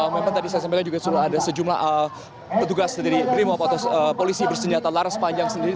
memang tadi saya sampaikan juga sudah ada sejumlah petugas dari brimop atau polisi bersenjata laras panjang sendiri